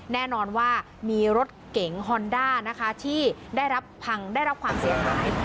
แน่นอนว่ามีรถเก๋งฮอนด้านะคะที่ได้รับพังได้รับความเสียหาย